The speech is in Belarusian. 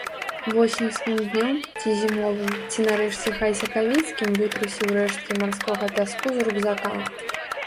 Восеньскім днём, ці зімовым, ці нарэшце хай сакавіцкім вытрусіў рэшткі марскога пяску з рукзака.